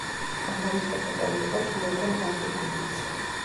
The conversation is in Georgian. ანგარიშგასაწევი იყო ჩინელთა მზარდი გუნდიც.